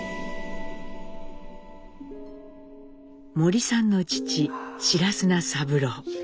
森さんの父白砂三郎。